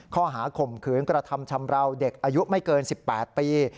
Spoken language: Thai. ข้อหาข่มขืนกระทำชำราวเด็กอายุไม่เกิน๑๘ปี